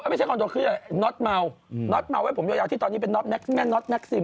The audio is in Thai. เอ้าไม่ใช่คอนโดคือน๊อตเม้า